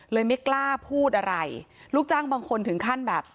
ไม่กล้าพูดอะไรลูกจ้างบางคนถึงขั้นแบบ